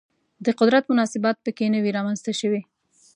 د قدرت مناسبات په کې نه وي رامنځته شوي